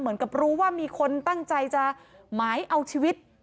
เหมือนกับรู้ว่ามีคนตั้งใจจะหมายเอาชีวิต